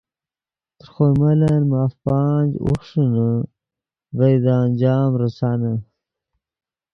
تر خوئے ملن ماف پانچ، اوخݰینے ڤئے دے انجام ریسانے